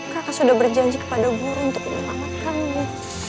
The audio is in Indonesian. kakak sudah berjanji kepada guru untuk menyelamatkannya